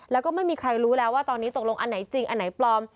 แล้วก็ไม่มีใครรู้แล้วว่าตอนนี้ตกลงอันไหนจริงอันไหนปลอม